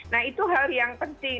nah itu hal yang penting